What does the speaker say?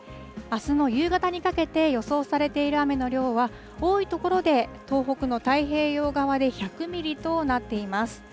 あすの夕方にかけて予想されている雨の量は、多い所で東北の太平洋側で１００ミリとなっています。